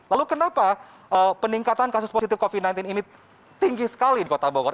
lalu kenapa peningkatan kasus positif covid sembilan belas ini tinggi sekali di kota bogor